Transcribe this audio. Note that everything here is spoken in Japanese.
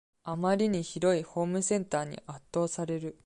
あまりに広いホームセンターに圧倒される